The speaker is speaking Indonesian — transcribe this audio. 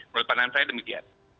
menurut pandangan saya demikian